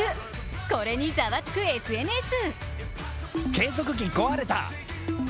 これにざわつくＳＮＳ。